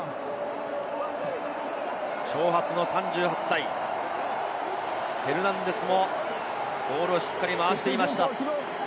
長髪の３８歳、フェルナンデスもボールをしっかり回していました。